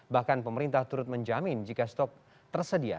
bahkan pemerintah turut menjamin jika stok tersedia